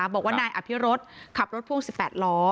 บอกว่านายอภิรสขับรถพ่วง๑๘ล้อ